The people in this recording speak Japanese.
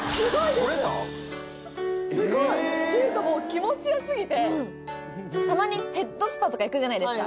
っていうかもうたまにヘッドスパとか行くじゃないですか？